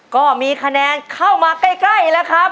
ก็มีคะแนนเข้ามาใกล้แล้วครับ